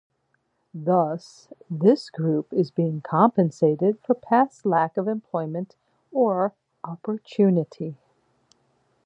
Thus, this group is being compensated for past lack of employment or opportunity.